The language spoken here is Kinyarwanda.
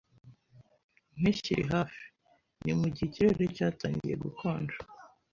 Impeshyi irihafi. Ni mugihe ikirere cyatangiye gukonja.